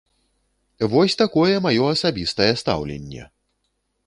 Вось такое маё асабістае стаўленне!